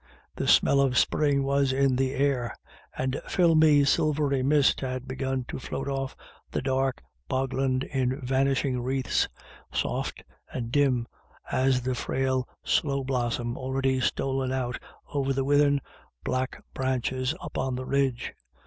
The smell of spring was in the air, and filmy silvery mist had begun to float off the dark bogland in vanishing wreaths, soft and dim as the frail sloe blossom already stolen out over the writhen black branches up on the ridge.